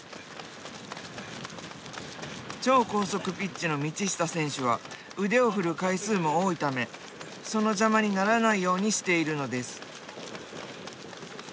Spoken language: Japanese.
超高速ピッチの道下選手は腕を振る回数も多いためその邪魔にならないようにしているのです。